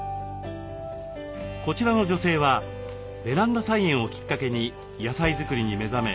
こちらの女性はベランダ菜園をきっかけに野菜作りに目覚め